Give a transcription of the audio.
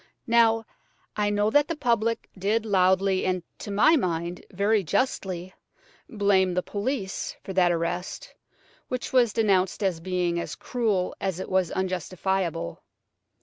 Now, I know that the public did loudly, and, to my mind, very justly, blame the police for that arrest, which was denounced as being as cruel as it was unjustifiable.